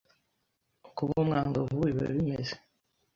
kuba umwangavu biba bimeze.